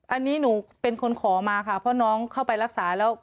อันนี้หนูเป็นคนขอมาค่ะเพราะน้องเข้าไปรักษาแล้ว